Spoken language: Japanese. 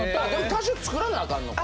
多少作らなあかんのか？